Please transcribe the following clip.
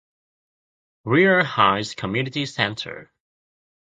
Grier Heights Community Center